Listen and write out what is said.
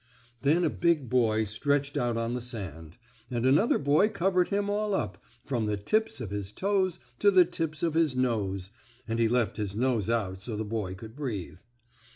Then a big boy stretched out on the sand, and another boy covered him all up, from the tips of his toes to the tips of his nose, and he left his nose out so the boy could breathe.